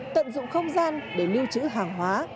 tận dụng không gian để lưu trữ hàng hóa